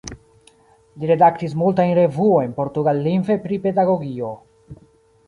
Li redaktis multajn revuojn portugallingve pri pedagogio.